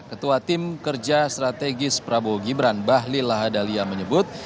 ketua tim kerja strategis prabowo gibran bahlil lahadalia menyebut